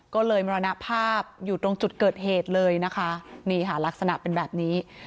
ก็เลยมรณภาพอยู่ตรงจุดเกิดเหตุเลยนะคะนี่ค่ะลักษณะเป็นแบบนี้